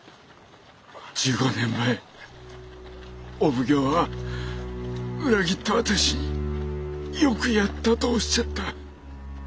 １５年前お奉行は裏切った私によくやったとおっしゃった。